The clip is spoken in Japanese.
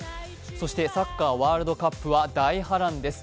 そしてサッカーワールドカップは大波乱です。